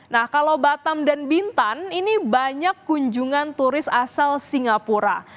nah kalau batam dan bintan ini banyak kunjungan turis asal singapura